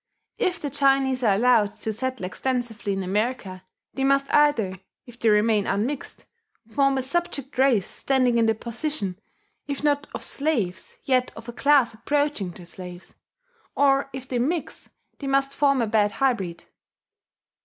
If the Chinese are allowed to settle extensively in America, they must either, if they remain unmixed, form a subject race standing in the position, if not of slaves, yet of a class approaching to slaves; or if they mix they must form a bad hybrid.